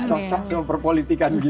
cocok sama perpolitikan kita